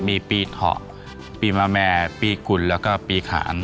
มีปีเถาะปีมะแม่ปีกุลแล้วก็ปีขาน